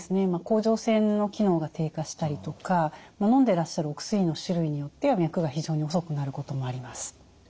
甲状腺の機能が低下したりとかのんでらっしゃるお薬の種類によっては脈が非常に遅くなることもあります。